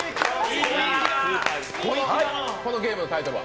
このゲームのタイトルは？